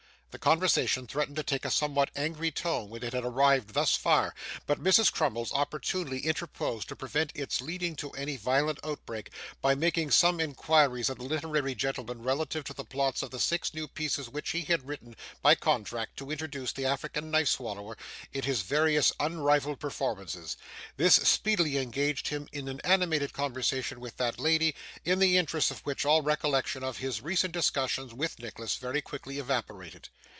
The conversation threatened to take a somewhat angry tone when it had arrived thus far, but Mrs. Crummles opportunely interposed to prevent its leading to any violent outbreak, by making some inquiries of the literary gentleman relative to the plots of the six new pieces which he had written by contract to introduce the African Knife swallower in his various unrivalled performances. This speedily engaged him in an animated conversation with that lady, in the interest of which, all recollection of his recent discussion with Nicholas very quickly evaporated.